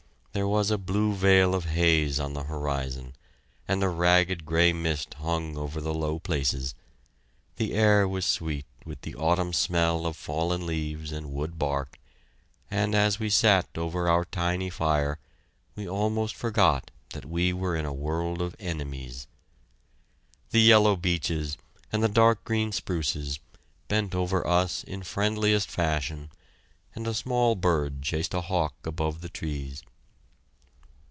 There was a blue veil of haze on the horizon, and a ragged gray mist hung over the low places. The air was sweet with the autumn smell of fallen leaves and wood bark, and as we sat over our tiny fire, we almost forgot that we were in a world of enemies. The yellow beeches and the dark green spruces bent over us in friendliest fashion, and a small bird chased a hawk above the trees.